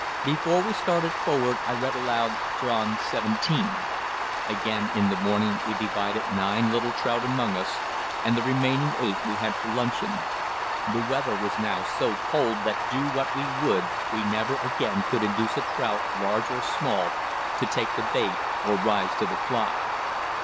Before we started forward I read aloud John xvii. Again in the morning we divided nine little trout among us, and the remaining eight we had for luncheon. The weather was now so cold that do what we would we never again could induce a trout, large or small, to take the bait or rise to the fly.